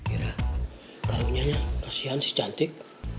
irah karunianya kasihan si cantik